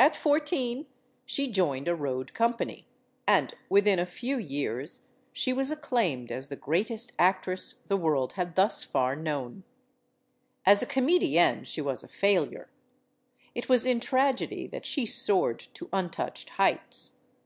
At fourteen she joined a road company; and within a few years 116 STORIES OF THE SUPER WOMEN she was acclaimed as the greatest actress the world had thus far know. As a comedienne she was a failure. It was in tragedy that she soared to untouched heights.